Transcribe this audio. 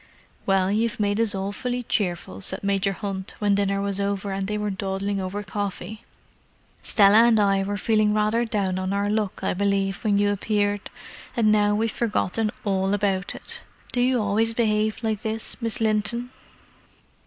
"Well, you've made us awfully cheerful," said Major Hunt, when dinner was over, and they were dawdling over coffee. "Stella and I were feeling rather down on our luck, I believe, when you appeared, and now we've forgotten all about it. Do you always behave like this, Miss Linton?"